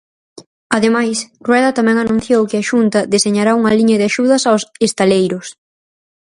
Ademais, Rueda tamén anunciou que a Xunta deseñará unha liña de axudas aos estaleiros.